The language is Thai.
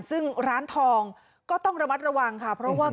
ซึ่งร้านทองก็ต้องระมัดระวังค่ะเพราะว่า